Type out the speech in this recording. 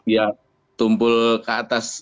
ya tumpul ke atas